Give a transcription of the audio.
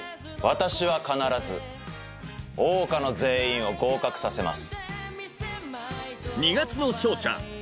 私は必ず桜花の全員を合格させます。